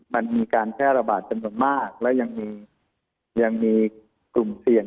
มันมีการแพร่ระบาดจำนวนมากและยังมีกลุ่มเสี่ยง